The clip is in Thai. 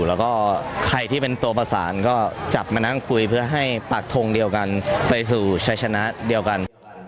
แล้วก็ใครที่เป็นตัวประสานก็จับมานั่งคุยเพื่อให้ปากทงเดียวกันไปสู่ชัยชนะเดียวกัน